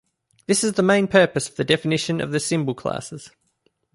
This is the main purpose of the definition of the symbol classes.